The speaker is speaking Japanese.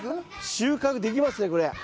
収穫できますねこれ。